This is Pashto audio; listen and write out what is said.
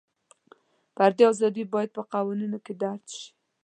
فري ازادۍ باید په قوانینو کې درج شي.